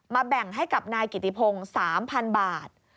แบ่งให้กับนายกิติพงศ์๓๐๐๐บาท